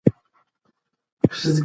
که موبایل چارج نه وي نو نه روښانه کیږي.